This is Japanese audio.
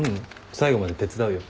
最後まで手伝うよ。